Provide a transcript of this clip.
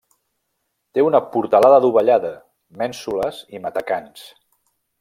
Té una portalada dovellada, mènsules i matacans.